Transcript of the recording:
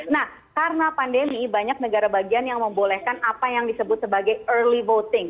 nah karena pandemi banyak negara bagian yang membolehkan apa yang disebut sebagai early voting